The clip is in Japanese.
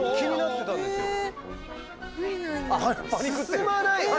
進まない。